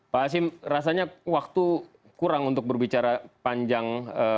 pak hasim rasanya waktu kurang untuk berbicara panjang